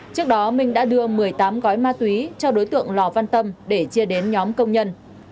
trước đó minh đã đưa một mươi tám gói ma túy cho đối tượng lò văn tâm để chia đến nhóm công nhân